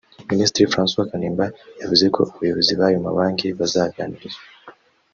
Minisitiri Francois Kanimba yavuze ko abayobozi b’ayo mabanki bazaganirizwa